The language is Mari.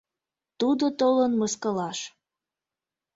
Тудо толын мыскылаш